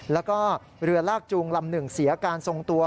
แล้วก็เรือลากจูงลำหนึ่งเสียการทรงตัว